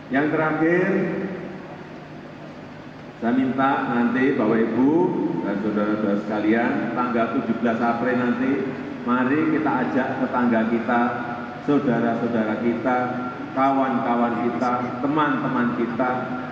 yang terakhir saya minta nanti bapak ibu dan saudara saudara sekalian tanggal tujuh belas april nanti mari kita ajak tetangga kita saudara saudara kita kawan kawan kita teman teman kita